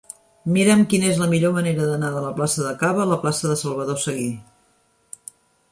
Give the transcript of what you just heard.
Mira'm quina és la millor manera d'anar de la plaça de Caba a la plaça de Salvador Seguí.